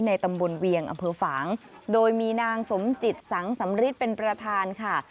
ตำบลเวียงอำเภอฝางโดยมีนางสมจิตสังสำริทเป็นประธานค่ะ